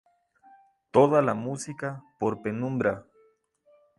Toda la música por Penumbra.